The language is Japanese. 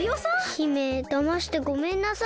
姫だましてごめんなさい。